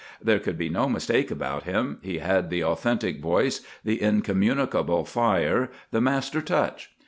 There could be no mistake about him; he had the authentic voice, the incommunicable fire, the master touch.